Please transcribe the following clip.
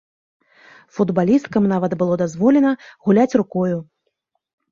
Футбалісткам нават было дазволена гуляць рукою.